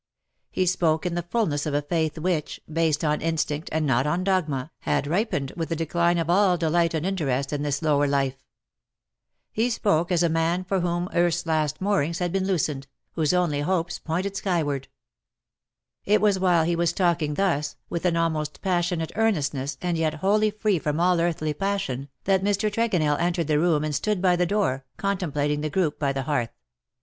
He spoke in the fulness of a faith which, based on instinct, and not on dogma, had ripened with the decline of all delight and interest in this lower life. He spoke as a man for whom earth^s last moorings ^^AND TIME IS SETTING Wl' ME, O." 281 had been loosened, whose only hopes pointed skyward. It was while he was talking thus, with an almost passionate earnestness, and yet wholly free from all earthly passion_, that Mr. Tregonell entered the room and stood by the door, contemplating the group by the hearth.